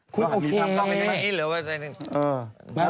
คุณโอเค